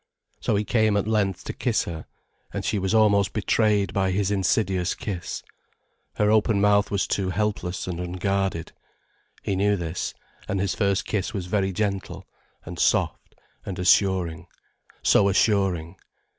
So he came at length to kiss her, and she was almost betrayed by his insidious kiss. Her open mouth was too helpless and unguarded. He knew this, and his first kiss was very gentle, and soft, and assuring, so assuring.